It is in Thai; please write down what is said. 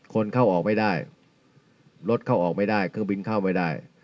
คนเข้าออกไม่ได้รถเข้าออกไม่ได้เครื่องบินเข้าไม่ได้